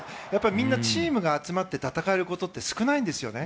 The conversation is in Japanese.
みんなチームが集まって戦えることって少ないんですよね。